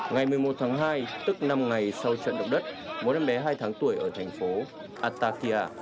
ngày một mươi một tháng hai tức năm ngày sau trận động đất một em bé hai tháng tuổi ở thành phố atapia